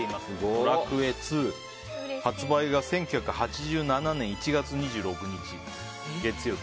「ドラクエ２」発売が１９８７年１月２６日月曜日。